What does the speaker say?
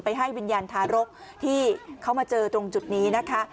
ให้วิญญาณทารกที่เขามาเจอตรงจุดนี้นะคะ